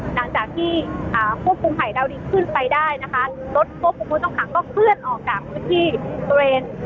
หลังจากที่ควบคุมของไข่ดาวดีขึ้นไปได้นะคะรถควบคุมผู้ต้องขังก็ขึ้นออกจากพื้นที่ตัวเอง